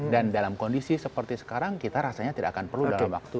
dan dalam kondisi seperti sekarang kita rasanya tidak akan perlu dalam waktu panjang